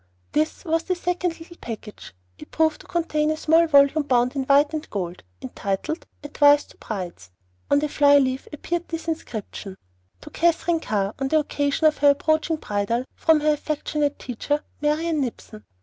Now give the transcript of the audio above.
"This" was the second little package. It proved to contain a small volume bound in white and gold, entitled, "Advice to Brides." On the fly leaf appeared this inscription: To Katherine Carr, on the occasion of her approaching bridal, from her affectionate teacher, MARIANNE NIPSON.